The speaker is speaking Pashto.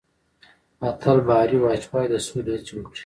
اتل بهاري واجپايي د سولې هڅې وکړې.